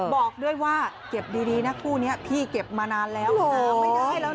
บอกด้วยว่าเก็บดีนะคู่นี้พี่เก็บมานานแล้ว